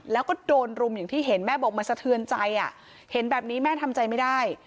แล้วก็โดนรุมอย่างที่เห็นแม่บอกมันสะเทือนใจอ่ะเห็นแบบนี้แม่ทำใจไม่ได้